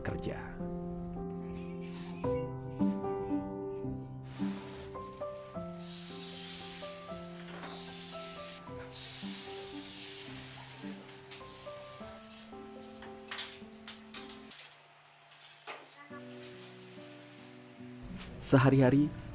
perayaan aja nggak bisa dinucu